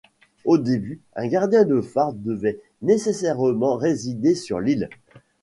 Au début, un gardien de phare devait nécessairement résider sur l'île.